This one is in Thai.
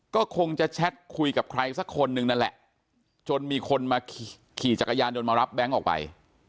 ก็คงจะแชทคุยกับใครสักคนนึงนั่นแหละจนมีคนมาขี่จักรยานยนต์มารับแบงค์ออกไป